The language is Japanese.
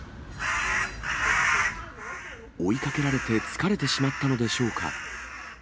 追いかけられて疲れてしまったのでしょうか。